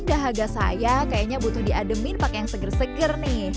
dahaga saya kayaknya butuh diademin pakai yang seger seger nih